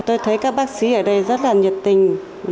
tôi thấy các bác sĩ ở đây rất là nhiệt tình